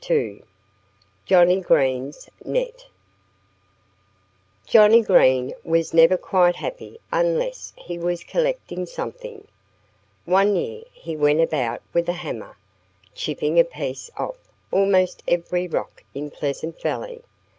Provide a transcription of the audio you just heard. II JOHNNIE GREEN'S NET JOHNNIE GREEN was never quite happy unless he was collecting something. One year he went about with a hammer, chipping a piece off almost every rock in Pleasant Valley.